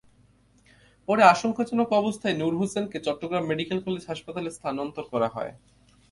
পরে আশঙ্কাজনক অবস্থায় নুর হোসেনকে চট্টগ্রাম মেডিকেল কলেজ হাসপাতালে স্থানান্তর করা হয়।